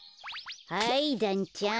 はいだんちゃん。